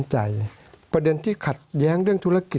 สวัสดีครับทุกคน